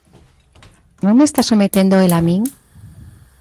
Non me está sometendo el a min?